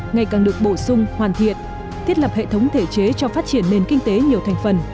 ngày càng được bổ sung hoàn thiện thiết lập hệ thống thể chế cho phát triển nền kinh tế nhiều thành phần